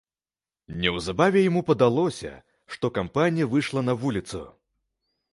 Неўзабаве яму падалося, што кампанія выйшла на вуліцу.